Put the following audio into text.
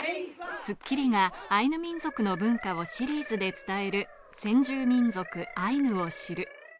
『スッキリ』がアイヌ民族の文化をシリーズで伝える、「先住民族アイヌを知る」。